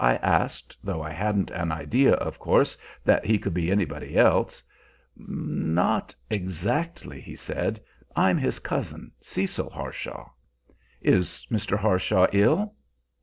I asked, though I hadn't an idea, of course, that he could be anybody else. "Not exactly," he said. "I'm his cousin, Cecil Harshaw." "Is Mr. Harshaw ill?"